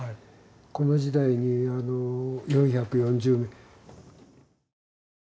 この時代に４４０名。